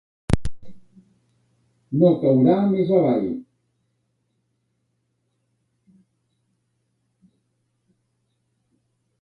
No caurà més avall.